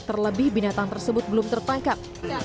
terlebih binatang tersebut belum tertangkap